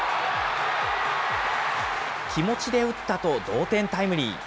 気持ちで打ったと同点タイムリー。